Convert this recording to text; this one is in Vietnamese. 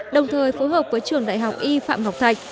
đồng thời phối hợp với trường đại học y phạm ngọc thạch